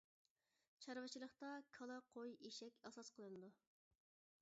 چارۋىچىلىقتا كالا، قوي، ئېشەك ئاساس قىلىنىدۇ.